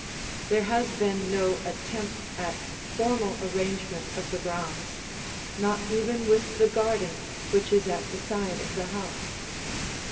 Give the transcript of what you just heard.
There has been no attempt at formal arrangement of the grounds, not even with the garden which is at the side of the house.